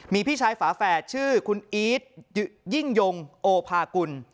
มีพี่ชายฝาแฝดชื่อคุณอีทยิ่งยงโอภากุล